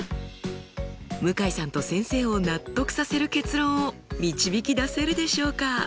向井さんと先生を納得させる結論を導き出せるでしょうか？